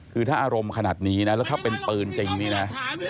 คือถ้าอารมณ์ขนาดนี้นะแล้วถ้าเป็นปืนจริงนี่นะ